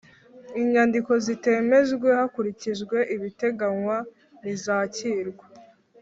Inyandiko zitemejwe hakurikijwe ibiteganywa ntizakirwa